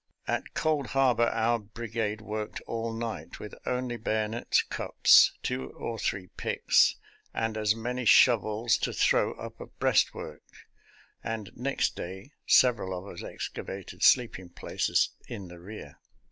At Cold Harbor our brigade worked all night with only bayonets, cups, two or three picks, and as many shovels to throw up a breastwork, and next day several of us excavated sleeping places in the rear.